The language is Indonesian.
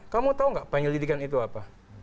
kamu tahu nggak penyelidikan itu apa